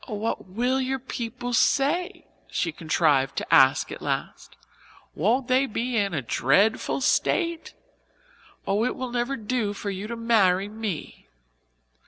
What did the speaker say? "Oh, what will your people say?" she contrived to ask at last. "Won't they be in a dreadful state? Oh, it will never do for you to marry me."